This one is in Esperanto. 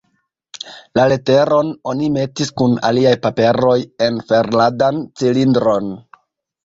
La leteron oni metis kun aliaj paperoj en ferladan cilindron.